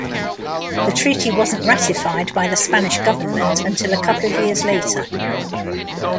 The treaty wasn't ratified by the Spanish government until a couple of years later.